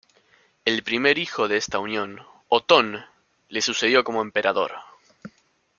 El primer hijo de esta unión, Otón, le sucedió como emperador.